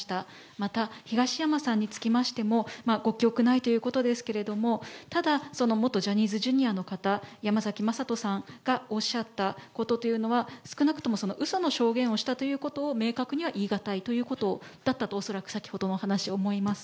また東山さんに基づきましても、ご記憶ないということですけれども、ただ、その元ジャニーズＪｒ．の方、やまざきまさとさんがおっしゃったことというのは、少なくともうその証言をしたということを明確には言い難いということだったと、恐らく先ほどの話、思います。